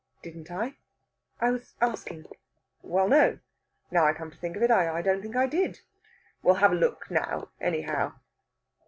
"Didn't I?" "I was asking." "Well, no. Now I come to think of it, I don't think I did. We'll have a look now, anyhow."